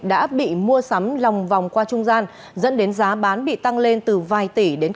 đã bị mua sắm lòng vòng qua trung gian dẫn đến giá bán bị tăng lên